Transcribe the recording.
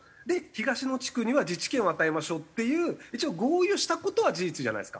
東の地区には自治権を与えましょうっていう一応合意をした事は事実じゃないですか。